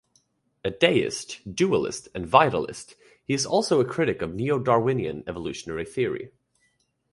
A Deist, dualist and vitalist, he is also a critic of neo-Darwinian evolutionary theory.